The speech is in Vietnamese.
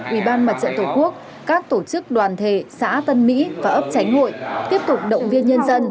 ủy ban mặt trận tổ quốc các tổ chức đoàn thể xã tân mỹ và ấp chánh hội tiếp tục động viên nhân dân